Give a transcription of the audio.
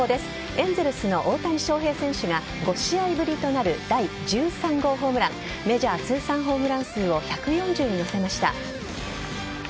エンゼルスの大谷翔平選手が５試合ぶりとなる第１３号ホームランメジャー通算ホームラン数を１４０に乗せました。